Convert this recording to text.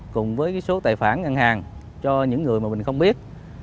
cùng với số tài khoản ngân hàng cho những người mà mình không biết